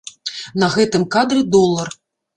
На гэтым кадры долар.